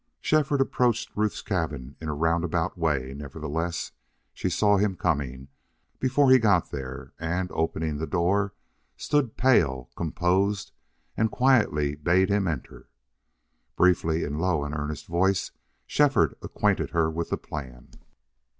Shefford approached Ruth's cabin in a roundabout way; nevertheless, she saw him coming before he got there and, opening the door, stood pale, composed, and quietly bade him enter. Briefly, in low and earnest voice, Shefford acquainted her with the plan.